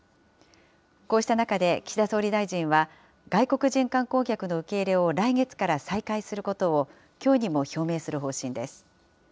こうした中で岸田総理大臣は、外国人観光客の受け入れを来月から再開することを、きょうにも表明する方針です。